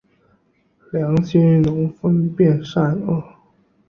良心能分辨善恶。